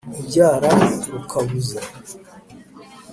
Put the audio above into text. kubyara rukabuza